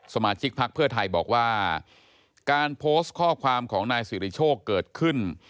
สมาชิกพักเพื่อไทยบอกว่าการโพสต์ข้อความของนายสิริโชคเกิดขึ้น